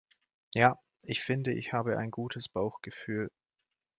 Ja, ich finde ich habe ein gutes Bauchgefühl.